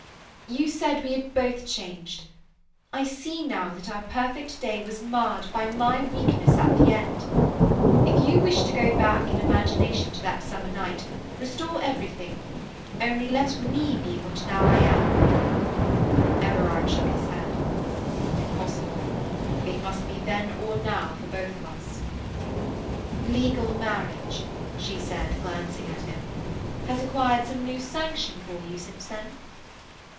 "You said we had both changed. I see now that our "perfect day" was marred by my weakness at the end. If you wish to go back in imagination to that summer night, restore everything, only let me be what I now am." Everard shook his head. "Impossible. It must be then or now for both of us." "Legal marriage," she said, glancing at him, "has acquired some new sanction for you since then?"